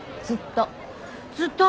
ずっと。